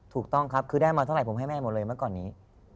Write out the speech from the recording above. ถูกต้องครับคือได้มาเท่าไหผมให้แม่หมดเลยเมื่อก่อนนี้